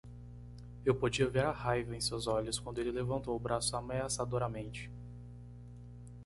Eu podia ver a raiva em seus olhos quando ele levantou o braço ameaçadoramente.